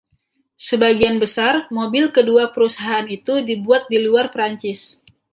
Sebagian besar mobil kedua perusahaan itu dibuat di luar Perancis.